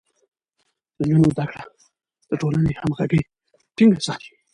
د نجونو زده کړه د ټولنې همغږي ټينګه ساتي.